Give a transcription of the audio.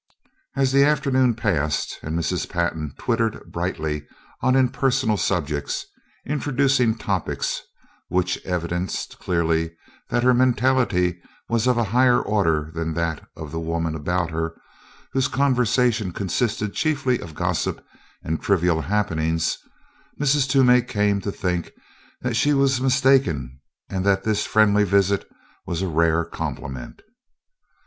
As the afternoon passed and Mrs. Pantin twittered brightly on impersonal subjects, introducing topics which evidenced clearly that her mentality was of a higher order than that of the women about her, whose conversation consisted chiefly of gossip and trivial happenings, Mrs. Toomey came to think that she was mistaken and that this friendly visit was a rare compliment.